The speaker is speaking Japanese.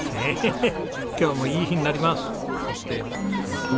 今日もいい日になります。